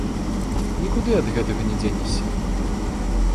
Нікуды ад гэтага не дзенешся.